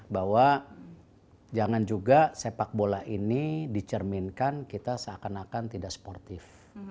bahwa jangan juga sepak bola ini dicerminkan kita seakan akan tidak sportif